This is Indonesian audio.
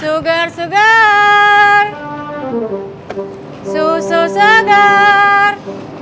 sugar sugar susu segar